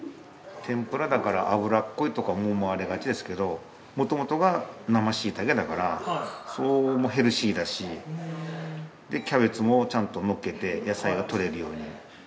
天ぷらだから油っこいとか思われがちですけどもともとが生しいたけだからヘルシーだしキャベツもちゃんとのっけて野菜が摂れるように。